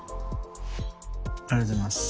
ありがとうございます。